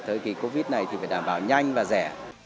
thời kỳ covid này thì phải đảm bảo nhanh và rẻ